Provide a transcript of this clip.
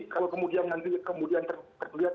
kalau kemudian nanti kemudian terlihat